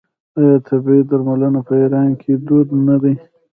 آیا طبیعي درملنه په ایران کې دود نه ده؟